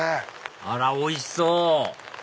あらおいしそう！